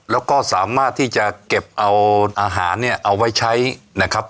แล้วก็สามารถที่จะเก็บเอาอาหารเนี่ยเอาไว้ใช้นะครับ